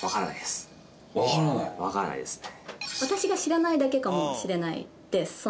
わからないですね。